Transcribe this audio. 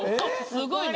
すごいな。